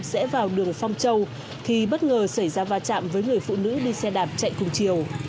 sẽ vào đường phong châu thì bất ngờ xảy ra va chạm với người phụ nữ đi xe đạp chạy cùng chiều